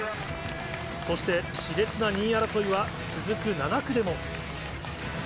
そしてしれつな２位争いは続く７区でも。